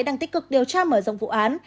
đang tích cực điều tra mở rộng vụ án